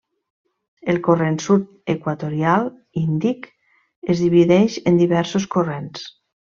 El Corrent Sud Equatorial Índic es divideix en diversos corrents.